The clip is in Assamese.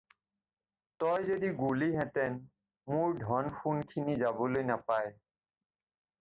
তই যদি গ'লিহেঁতেন মোৰ ধন-সোণখিনি যাবলৈ নাপায়।